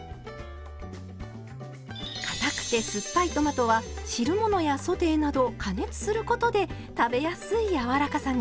かたくて酸っぱいトマトは汁物やソテーなど加熱することで食べやすいやわらかさに。